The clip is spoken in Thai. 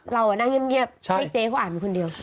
เรานั่งเงียบให้เจ๊เขาอ่านไปคนเดียว